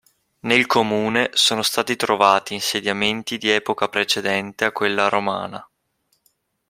Nel comune sono stati trovati insediamenti di epoca precedente a quella romana.